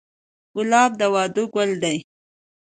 ګلاب د واده ګل دی.